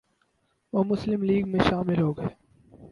وہ مسلم لیگ میں شامل ہوگئے